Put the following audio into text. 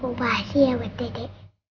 aku bahasinya bu dede